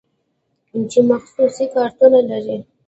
چې مخصوص کارتونه لري.